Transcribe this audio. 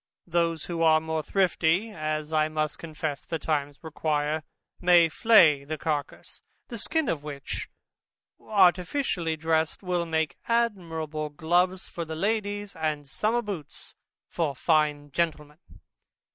Those who are more thrifty (as I must confess the times require) may flay the carcass; the skin of which, artificially dressed, will make admirable gloves for ladies, and summer boots for fine gentlemen.